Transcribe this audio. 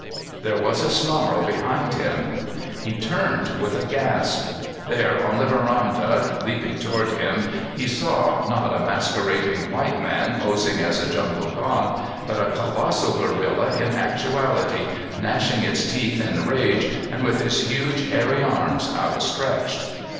_ There was a snarl behind him. He turned with a gasp. There on the veranda, leaping toward him, he saw, not a masquerading white man, posing as a jungle god, but a colossal gorilla in actuality, gnashing its teeth in rage, and with its huge, hairy arms outstretched.